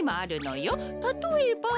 たとえば。